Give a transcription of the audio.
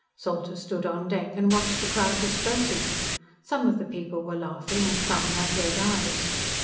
Salter stood on deck and watched the crowd dispersing. Some of the people were laughing and some had red eyes.